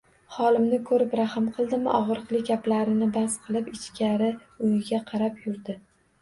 Holimni ko`rib, rahm qildimi, og`riqli gaplarini bas qilib, ichkari uyga qarab yurdi